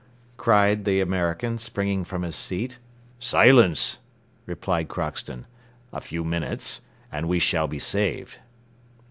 cried the American, springing from his seat. "Silence!" replied Crockston, "a few minutes, and we shall be saved."